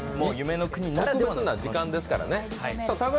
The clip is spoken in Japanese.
特別な時間ですからね。